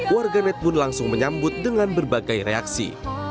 warga net pun langsung menyambut dengan berbagai reaksi